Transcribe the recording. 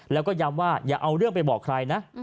แล้วก็ย้ำว่าอย่าเอาเรื่องไปบอกใครนะ